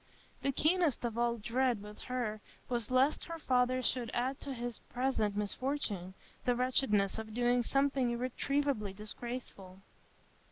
The keenest of all dread with her was lest her father should add to his present misfortune the wretchedness of doing something irretrievably disgraceful.